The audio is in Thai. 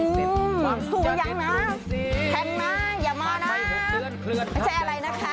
สูงอย่างน้ำแขนมากอย่ามาน้ำไม่ใช่อะไรนะคะ